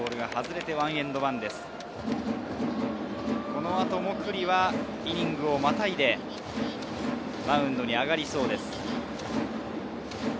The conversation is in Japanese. この後も九里はイニングをまたいでマウンドに上がりそうです。